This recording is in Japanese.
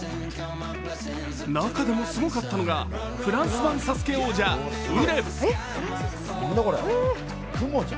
中でもすごかったのがフランス版ＳＡＳＵＫＥ王者ウレ。